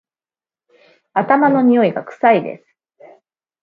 頭のにおいが臭いです